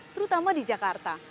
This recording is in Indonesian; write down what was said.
terutama di jakarta